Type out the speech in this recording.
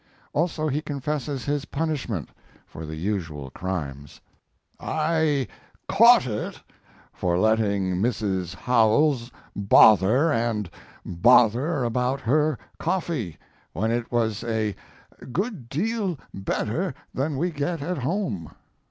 Also he confesses his punishment for the usual crimes: I "caught it" for letting Mrs. Howells bother and bother about her coffee, when it was a "good deal better than we get at home."